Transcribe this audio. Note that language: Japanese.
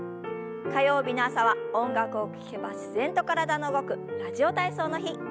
火曜日の朝は音楽を聞けば自然と体の動く「ラジオ体操」の日。